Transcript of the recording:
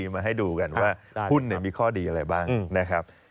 มาให้ดูกันว่าหุ้นมีข้อดีอะไรบ้างนะครับ